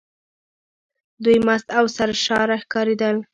دوی مست او سرشاره ښکارېدل.